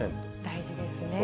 大事ですね。